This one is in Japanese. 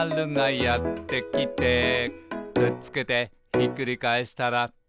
「くっつけてひっくり返したらタコ」